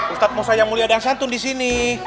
ustadzng saya mulia dan santun disini